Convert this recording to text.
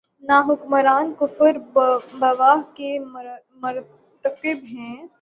نہ حکمران کفر بواح کے مرتکب ہیں۔